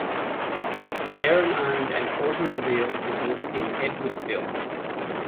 Herrin owned an automobile business in Edwardsville.